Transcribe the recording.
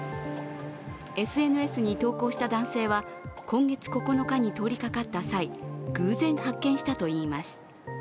ＳＮＳに投稿した男性は今月９日に通りかかった際偶然、発見したといいます。